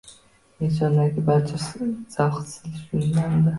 Insondagi barcha zavqsizlik shundan.